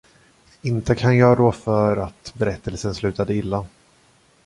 Inte kan jag rå för att berättelsen slutade illa.